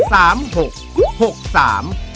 สวัสดีครับ